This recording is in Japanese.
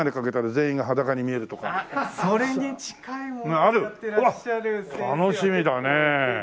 あっ楽しみだね。